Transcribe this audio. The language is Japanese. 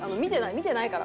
見てないから。